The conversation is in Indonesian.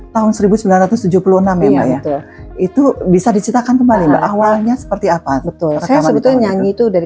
tahun seribu sembilan ratus tujuh puluh enam ya mbak ya itu bisa diceritakan kembali mbak awalnya seperti apa betul karena sebetulnya nyanyi itu dari